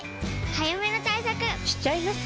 早めの対策しちゃいます。